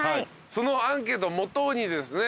そのアンケートを基にですね